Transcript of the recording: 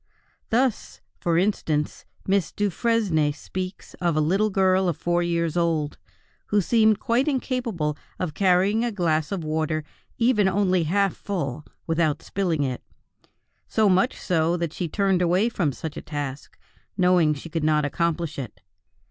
Thus, for instance, Miss Dufresne speaks of a little girl of four years old, who seemed quite incapable of carrying a glass of water even only half full, without spilling it; so much so that she turned away from such a task, knowing she could not accomplish it.